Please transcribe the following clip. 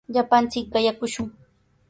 Llapanchik qayakushun.